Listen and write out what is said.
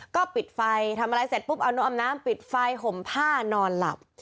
ก็ปิดไฟทำอะไรเสร็จปุ๊บเอาน้องออมน้ำปิดไฟห่มผ้านอนหลับ